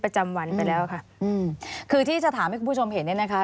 ประจำวันไปแล้วค่ะอืมคือที่จะถามให้คุณผู้ชมเห็นเนี่ยนะคะ